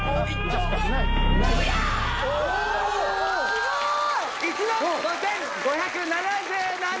すごい！